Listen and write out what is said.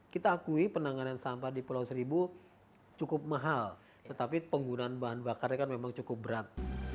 kita akui penanganan sampah di pulau seribu cukup mahal tetapi penggunaan bahan bakarnya kan memang cukup berat